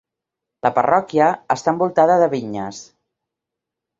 La parròquia està envoltada de vinyes.